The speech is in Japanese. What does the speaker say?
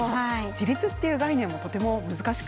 自立っていう概念もとても難しくて。